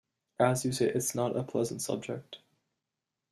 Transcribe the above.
As you say, it's not a pleasant subject.